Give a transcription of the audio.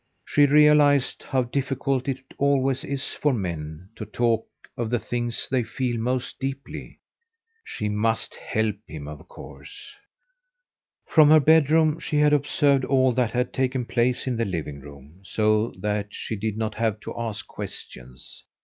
She realized how difficult it always is for men to talk of the things they feel most deeply. She must help him of course. From her bedroom she had observed all that had taken place in the living room, so that she did not have to ask questions.